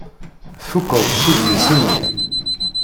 Tfukkeḍ s udlis-nni?